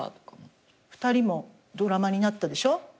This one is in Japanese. ２人もドラマになったでしょ？